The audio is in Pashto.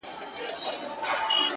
هوښیار انتخاب راتلونکې ستونزې کموي